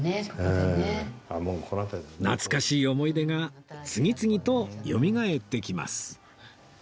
懐かしい思い出が次々とよみがえってきます